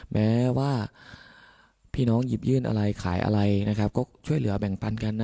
แม้ว่าพี่น้องหยิบยื่นอะไรขายอะไรนะครับก็ช่วยเหลือแบ่งปันกันนะ